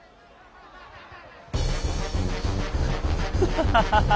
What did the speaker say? ハハハハ！